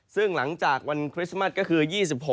ซึ่งหลังจากวันคริสต์มัสก็คือ๒๖